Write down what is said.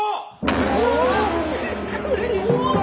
びっくりした！